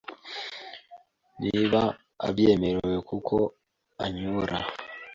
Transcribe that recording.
Niba abyemeye kuko anyobora